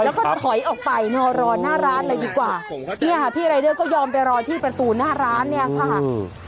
แล้วก็ถอยออกไปนอนรอหน้าร้านเลยดีกว่าเนี่ยค่ะพี่รายเดอร์ก็ยอมไปรอที่ประตูหน้าร้านเนี่ยค่ะอืม